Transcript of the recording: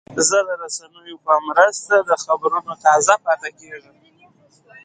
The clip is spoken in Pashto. زه د رسنیو په مرسته د خبرونو تازه پاتې کېږم.